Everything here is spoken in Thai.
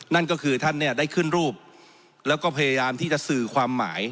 นั่นก็คือท่านเนี่ยได้ขึ้นรูปแล้วก็พยายามที่จะสื่อความหมาย